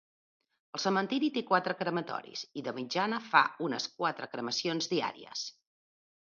El cementiri té quatre crematoris i, de mitjana, fa unes quatre cremacions diàries.